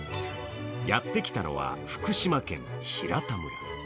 やってきたのは福島県平田村。